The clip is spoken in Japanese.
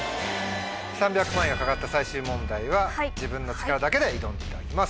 ３００万円が懸かった最終問題は自分の力だけで挑んでいただきます。